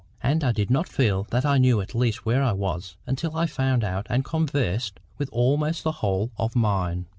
And I did not feel that I knew in the least where I was until I had found out and conversed with almost the whole of mine.